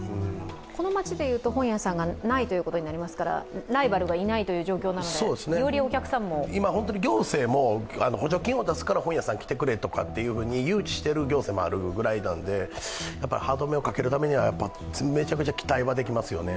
この町でいうと本屋さんがないということになりますのでライバルがいないという状況なので、よりお客さんも今、本当に行政も補助金を出すから本屋さん来てくれというふうに誘致している行政もあるぐらいなんで歯止めをかけるためにはめちゃくちゃ期待はできますね。